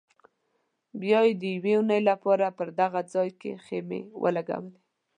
بیا به یې د یوې اونۍ لپاره په دغه ځای کې خیمې ولګولې.